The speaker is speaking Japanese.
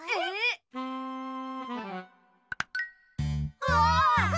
うわ！